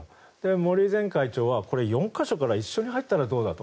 森前会長はこれ４か所から一緒に入ったらどうかと。